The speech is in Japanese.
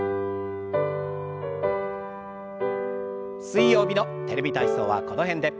水曜日の「テレビ体操」はこの辺で。